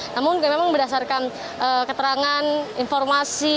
namun memang berdasarkan keterangan informasi